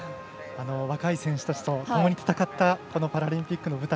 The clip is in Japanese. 若い選手たちとともに戦ったこのパラリンピックの舞台